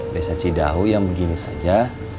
besar cidaho yang begini saja